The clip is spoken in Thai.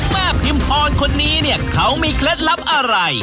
แม่พิมพรคนนี้เขามีเคล็ดลับอะไร